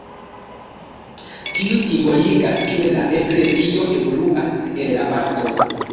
Tiu simboligas, ke la eklezio evoluas el la bapto.